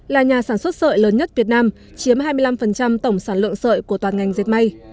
là nhà sản xuất sợi lớn nhất việt nam chiếm hai mươi năm tổng sản lượng sợi của toàn ngành dệt may